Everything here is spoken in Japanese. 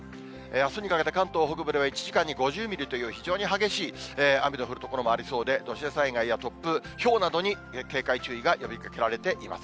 あすにかけて関東北部では１時間に５０ミリという、非常に激しい雨の降る所もありそうで、土砂災害や突風、ひょうなどに警戒、注意が呼びかけられています。